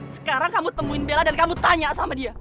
sekarang kamu temuin bella dan kamu tanya sama dia